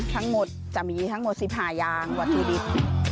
ทั้งหมดจะมีทั้งหมด๑๕ยางวัตถุดิบ